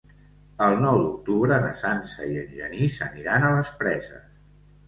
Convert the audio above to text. El nou d'octubre na Sança i en Genís aniran a les Preses.